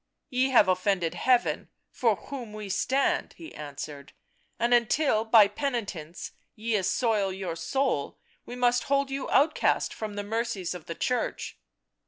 " Ye have offended Heaven, for whom we stand," he answered. " And until by penitence ye assoil your soul we must hold you outcast from the mercies of the Church."